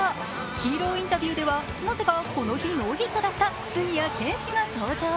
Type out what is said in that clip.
ヒーローインタビューではなぜかこの日ノーヒットだった杉谷拳士が登場。